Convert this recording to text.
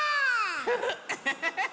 フフウフフフフ！